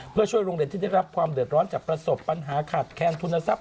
เพื่อช่วยโรงเรียนที่ได้รับความเดือดร้อนจากประสบปัญหาขาดแคนทุนทรัพย